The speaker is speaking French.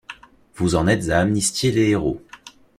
Vous en êtes à amnistier les héros!